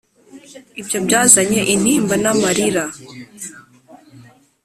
ibyo byazanye intimba n'amarira.